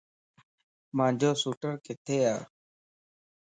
مانجو سوٽر ڪٿي ا؟